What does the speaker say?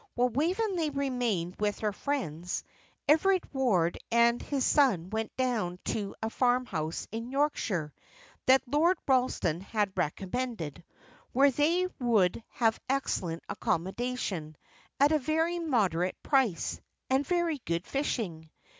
While Waveney remained with her friends, Everard Ward and his son went down to a farm house in Yorkshire, that Lord Ralston had recommended, where they would have excellent accommodation, at a very moderate price, and very good fishing.